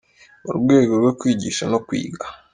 Mu rwego rwo kwigisha no kwiga.